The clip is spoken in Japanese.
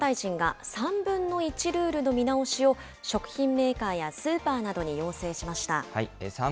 農林水産大臣が３分の１ルールの見直しを、食品メーカーやスーパーなどに要請しました。